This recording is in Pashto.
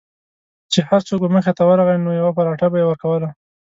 چې هر څوک به مخې ته ورغی نو یوه پراټه به یې ورکوله.